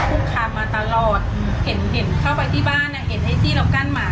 ปากกับภาคภูมิปากกับภาคภูมิ